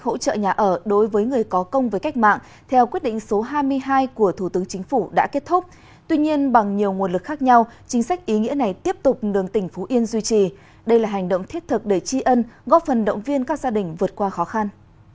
hỗ trợ nhà ở đối với người có công với cách mạng theo quyết định số hai mươi hai của thủ tướng chính phủ đã kết thúc tuy nhiên bằng nhiều nguồn lực khác nhau chính sách ý nghĩa này tiếp tục đường tỉnh phú yên duy trì đây là hành động thiết thực để tri ân góp phần động viên các gia đình vượt qua khó khăn